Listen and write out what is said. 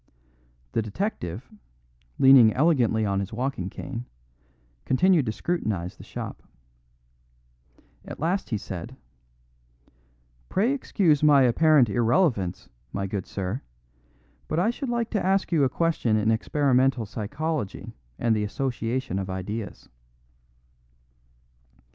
The detective, leaning elegantly on his walking cane, continued to scrutinise the shop. At last he said, "Pray excuse my apparent irrelevance, my good sir, but I should like to ask you a question in experimental psychology and the association of ideas."